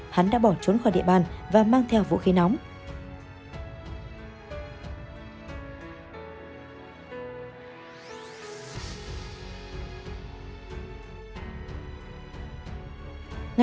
hắn đã bỏ trốn khỏi địa bàn và mang theo vũ khí nóng